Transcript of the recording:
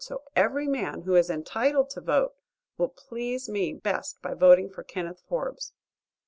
So every man who is entitled to vote will please me best by voting for Kenneth Forbes."